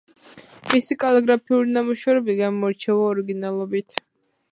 მისი კალიგრაფიული ნამუშევრები გამოირჩევა ორიგინალობით.